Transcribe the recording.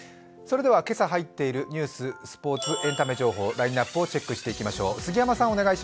今朝入っているニュース、スポーツ、エンタメ情報、ラインナップをチェックしていきましょう。